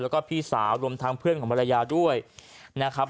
แล้วก็พี่สาวรวมทางเพื่อนของภรรยาด้วยนะครับ